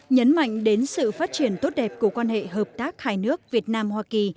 nhấn mạnh đến sự phát triển tốt đẹp của quan hệ hợp tác hai nước việt nam hoa kỳ